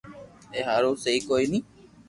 اي ھارو سھي ڪوئي ني